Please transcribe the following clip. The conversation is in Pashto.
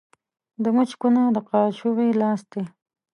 د مچ کونه ، د کاچوغي لاستى.